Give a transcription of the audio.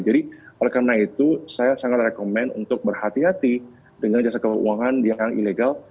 jadi oleh karena itu saya sangat rekomen untuk berhati hati dengan jasa keuangan yang ilegal